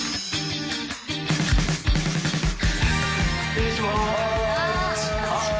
失礼しまーす。